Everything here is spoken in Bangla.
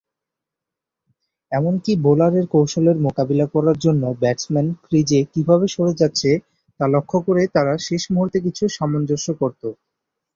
এমনকি বোলারের কৌশলের মোকাবিলা করার জন্য ব্যাটসম্যান ক্রিজে কিভাবে সরে যাচ্ছে তা "লক্ষ্য" করে তারা শেষ মুহুর্তে কিছু সামঞ্জস্য করত।